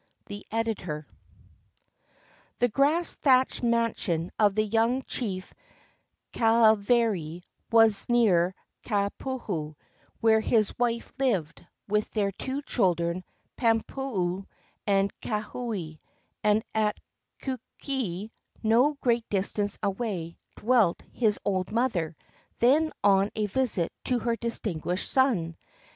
The Editor.] The grass thatched mansion of the young chief Kaha vari was near Kapoho, where his wife lived with their two children, Pampoulu and Kaohe; and at Kukii, no great distance away, dwelt his old mother, then on a visit to her distinguished son.